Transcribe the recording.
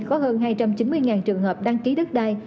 có hơn hai trăm chín mươi trường hợp đăng ký đất đai